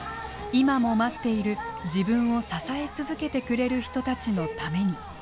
今も待っている自分を支え続けてくれる人たちのために。